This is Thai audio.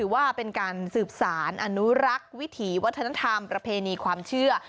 ว่าเป็นการสืบสารอนุรักษ์วิถีวัฒนธรรมประเพณีความเชื่อ